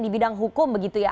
di bidang hukum begitu ya